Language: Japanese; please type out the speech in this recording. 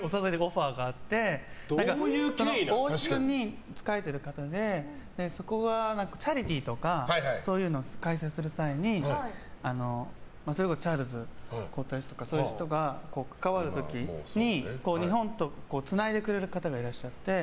王室に仕えている方でそこはチャリティーとかそういうのを開催する際にチャールズ皇太子とかそういう人が関わる時に日本とつないでくれる方がいらっしゃって。